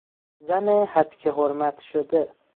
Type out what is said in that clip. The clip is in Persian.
زن هتک حرمت شده